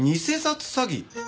偽札詐欺？